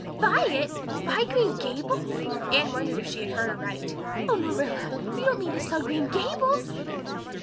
"Buy it! Buy Green Gables?" Anne wondered if she had heard aright. "Oh, Marilla, you don't mean to sell Green Gables!"